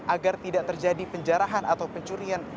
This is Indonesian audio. agar tidak terjadi penjarahan atau pencurian